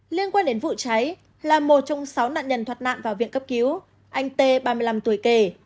liên quan đến vụ cháy là một trong sáu nạn nhân thoát nạn vào viện cấp cứu anh tê ba mươi năm tuổi kể